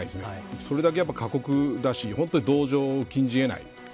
それだけ過酷だし本当に同情を禁じ得ない。